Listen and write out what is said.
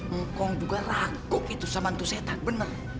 engkong juga ragu itu sama satu setan benar